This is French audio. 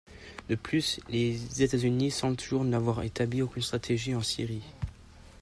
De plus les États-Unis semblent toujours n'avoir établi aucune stratégie en Syrie.